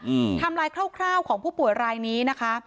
อืมทำลายคร่าวคร่าวของผู้ป่วยรายนี้นะคะ